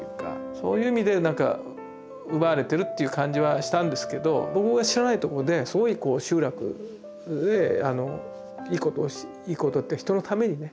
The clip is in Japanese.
そういう意味でなんか奪われてるっていう感じはしたんですけど僕が知らないところですごい集落へいいことをいいことって人のためにね